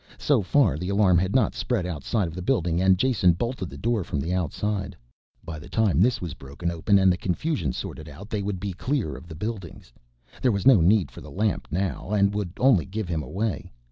So far the alarm had not spread outside of the building and Jason bolted the door from the outside. By the time this was broken open and the confusion sorted out they would be clear of the buildings. There was no need for the lamp now and would only give him away.